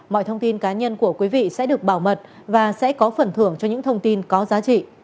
mọi thông tin cá nhân của quý vị sẽ được bảo mật và sẽ có phần thưởng cho những thông tin có giá trị